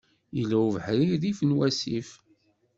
Yella ubeḥri rrif n wasif.